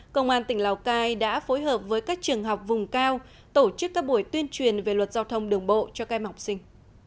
công an tỉnh lào cai đã phối hợp với các trường học vùng cao tổ chức các buổi tuyên truyền về luật giao thông đường bộ cho các em học sinh